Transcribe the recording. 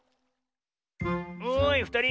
おいふたり。